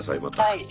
はい。